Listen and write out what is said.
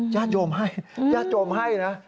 ญาติโยมให้ญาติโยมให้นะ